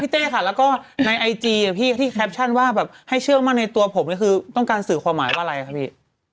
เต้ค่ะแล้วก็ในไอจีพี่ที่แคปชั่นว่าแบบให้เชื่อมั่นในตัวผมเนี่ยคือต้องการสื่อความหมายว่าอะไรครับพี่